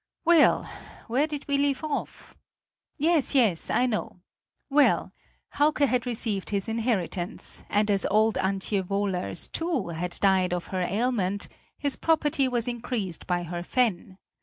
Well, where did we leave off? Yes, yes; I know. Well, Hauke had received his inheritance, and as old Antje Wohlers, too, had died of her ailment, his property was increased by her fen.